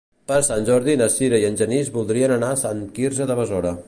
Per Sant Jordi na Sira i en Genís voldrien anar a Sant Quirze de Besora.